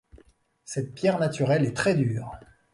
Cette pierre naturelle est très dure.